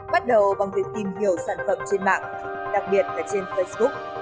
bắt đầu bằng việc tìm hiểu sản phẩm trên mạng đặc biệt là trên facebook